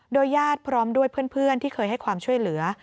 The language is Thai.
ญาติพร้อมด้วยเพื่อนที่เคยให้ความช่วยเหลือ